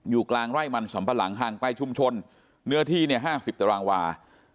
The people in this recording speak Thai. อยู่กลางไร่มั่นสำพระหลังทางใต้ชุมชนเนื้อที่เนี้ยห้ามสิบตระวังวา